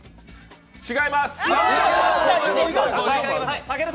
違います。